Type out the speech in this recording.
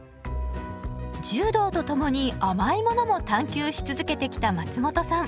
柔道とともに甘いものも探求し続けてきた松本さん。